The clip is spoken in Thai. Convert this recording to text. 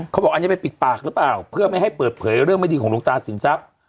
เขาบอกอันนี้ไปปิดปากหรือเปล่าเพื่อไม่ให้เปิดเผยเรื่องไม่ดีของหลวงตาสินทรัพย์